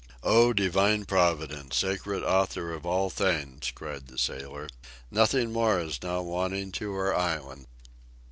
"O, divine Providence; sacred Author of all things!" cried the sailor. "Nothing more is now wanting to our island."